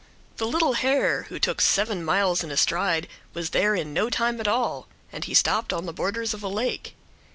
The little hare, who took seven miles in a stride, was there in no time at all, and he stopped on the borders of a lake.